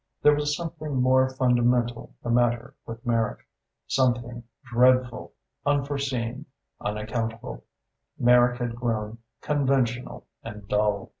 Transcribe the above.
There was something more fundamental the matter with Merrick, something dreadful, unforeseen, unaccountable: Merrick had grown conventional and dull.